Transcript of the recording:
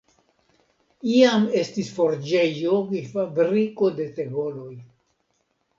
Iam estis forĝejo kaj fabriko de tegoloj.